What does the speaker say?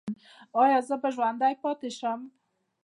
ایا زه به ژوندی پاتې شم؟